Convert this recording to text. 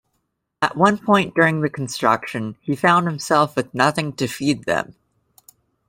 At one point during the construction, he found himself with nothing to feed them.